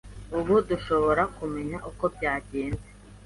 Ubu dushobora kumenya uko byagenze!